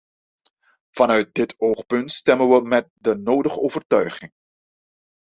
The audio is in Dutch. Vanuit dit oogpunt stemmen wij met de nodige overtuiging.